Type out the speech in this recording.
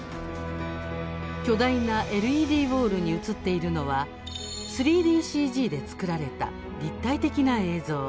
巨大なＬＥＤウォールに映っているのは３ＤＣＧで作られた立体的な映像。